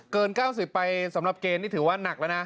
เกิน๙๐ไปสำหรับเกณฑ์นี่ถือว่าหนักแล้วนะ